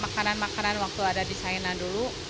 makanan makanan waktu ada di china dulu